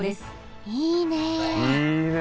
いいね。